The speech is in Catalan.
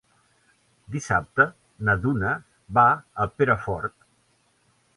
Dissabte na Duna va a Perafort.